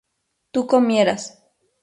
tú comieras